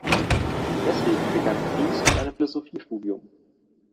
Deswegen begann Fries mit einem Philosophiestudium.